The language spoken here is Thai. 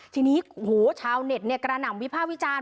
ทีนี้โอ้โหชาวเน็ตกระหน่ำวิภาควิจารณ์